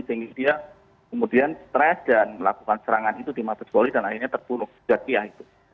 sehingga dia kemudian stress dan melakukan serangan itu di mabes polri dan akhirnya terpunuh